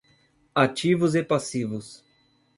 Ativos e passivos